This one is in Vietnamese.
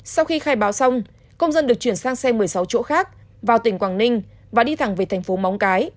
sau khi khai báo xong công dân được chuyển sang xe một mươi sáu chỗ khác vào tỉnh quảng ninh và đi thẳng về thành phố móng cái